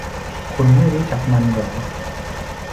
คุณไม่รู้จักมันหรอ